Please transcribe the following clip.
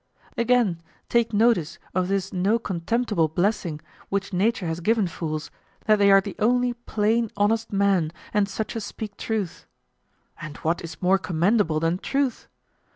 Again, take notice of this no contemptible blessing which Nature has given fools, that they are the only plain, honest men and such as speak truth. And what is more commendable than truth?